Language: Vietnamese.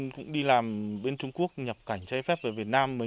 cùng dân cũng đi làm bên trung quốc nhập cảnh trái phép và về đường mòn lối mở